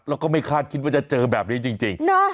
แล้วก็ไม่คาดคิดว่าจะเจอแบบนี้จริง